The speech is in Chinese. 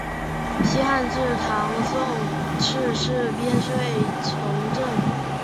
西汉至唐宋亦是边睡重镇。